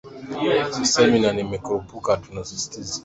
sisemi sasa mkurupuke tunasisitiza hapa kulitafakari kwa makini